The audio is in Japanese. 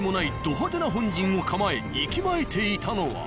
ど派手な本陣を構えいきまいていたのは。